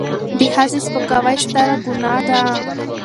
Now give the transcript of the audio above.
د ښځې سپکاوی ستره ګناه ده.